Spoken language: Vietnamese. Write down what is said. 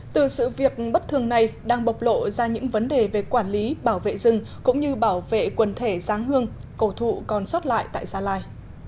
từ sự việc bất thường này đang bộc lộ ra những vấn đề về quản lý bảo vệ rừng cũng như bảo vệ quần thể giáng hương cầu thụ còn sót lại tại gia lai